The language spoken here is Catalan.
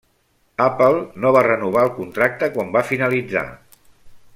Apple no va renovar el contracte quan va finalitzar.